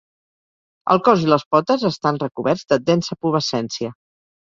El cos i les potes estan recoberts de densa pubescència.